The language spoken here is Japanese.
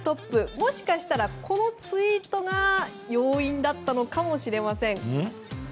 もしかしたら、このツイートが要因だったのかもしれません。